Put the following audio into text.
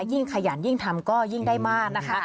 ขยันยิ่งทำก็ยิ่งได้มากนะคะ